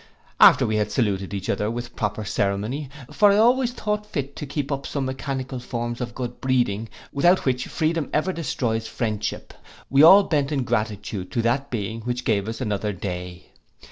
After we had saluted each other with proper ceremony, for I always thought fit to keep up some mechanical forms of good breeding, without which freedom ever destroys friendship, we all bent in gratitude to that Being who gave us another day.